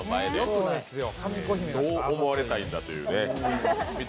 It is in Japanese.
どう思われたいんだっていうね。